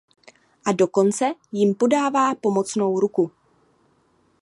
A dokonce jim podává pomocnou ruku.